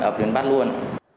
ở biển bắt luôn